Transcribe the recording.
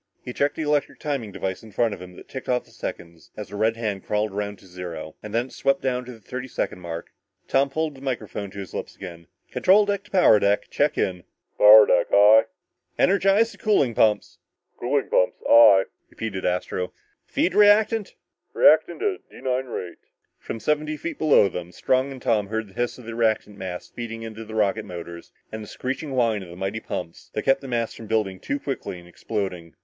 He checked the electric timing device in front of him that ticked off the seconds, as a red hand crawled around to zero, and when it swept down to the thirty second mark, Tom pulled the microphone to his lips again. "Control deck to power deck. Check in!" "Power deck, aye?" "Energize the cooling pumps!" "Cooling pumps, aye!" repeated Astro. "Feed reactant!" "Reactant at D 9 rate." From seventy feet below them, Strong and Tom heard the hiss of the reactant mass feeding into the rocket motors, and the screeching whine of the mighty pumps that kept the mass from building too rapidly and exploding.